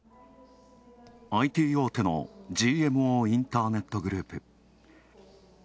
ＩＴ大手のＧＭＯインターネットグループ。